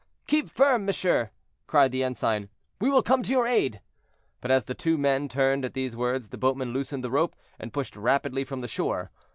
"Keep firm, monsieur," cried the ensign, "we will come to your aid." But as the two men turned at these words, the boatman loosened the rope, and pushed rapidly from the shore.